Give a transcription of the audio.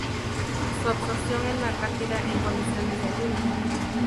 Su absorción es más rápida en condiciones de ayuno.